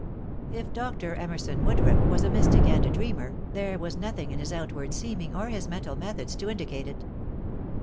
If Dr. Emerson Woodruff was a mystic and a dreamer, there was nothing in his outward seeming or his mental methods to indicate it.